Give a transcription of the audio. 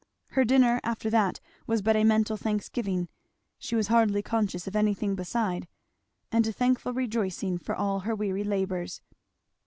Her dinner after that was but a mental thanksgiving; she was hardly conscious of anything beside; and a thankful rejoicing for all her weary labours.